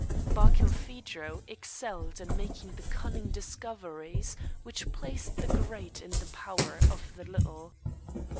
Barkilphedro excelled in making the cunning discoveries which place the great in the power of the little.